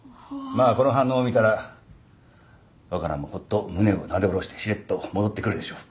まあこの反応を見たら若菜もほっと胸をなで下ろしてしれっと戻ってくるでしょう。